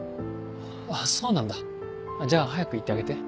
あっそうなんだじゃあ早く行ってあげて。